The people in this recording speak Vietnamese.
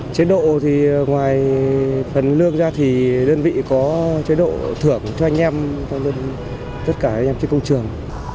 chế độ thì ngoài phần lương ra thì đơn vị có chế độ thưởng cho anh em cho tất cả anh em trên công trường